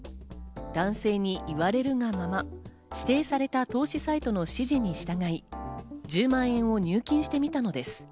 男性に言われるがまま指定された投資サイトの指示に従い、１０万円を入金してみたのです。